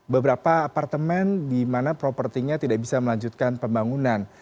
beberapa apartemen di mana propertinya tidak bisa melanjutkan pembangunan